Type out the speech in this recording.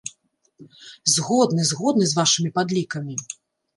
Згодны, згодны з вашымі падлікамі!